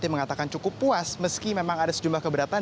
yang mengatakan cukup puas meski memang ada sejumlah keberatan